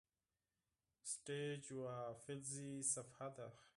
سټیج یوه فلزي صفحه ده.